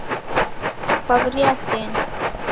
Kawuria sena